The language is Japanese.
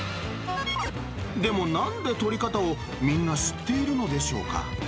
でもなんで取り方をみんな知っているのでしょうか。